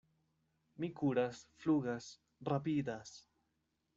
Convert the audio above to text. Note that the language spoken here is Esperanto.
Mi kuras, flugas, rapidas!